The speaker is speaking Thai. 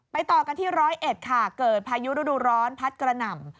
ไปต่อกันที่๑๐๑ค่ะเกิดพายุร้อนพัดกระหน่ำ